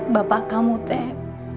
bapak kamu teh